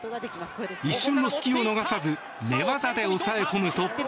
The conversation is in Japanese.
一瞬の隙を逃さず寝技で抑え込むと。